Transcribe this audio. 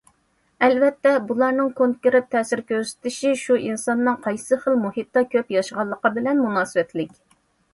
ئەلۋەتتە، بۇلارنىڭ كونكرېت تەسىر كۆرسىتىشى شۇ ئىنساننىڭ قايسى خىل مۇھىتتا كۆپ ياشىغانلىقى بىلەن مۇناسىۋەتلىك.